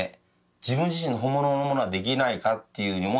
自分自身の本物のものはできないかっていうふうに思ってて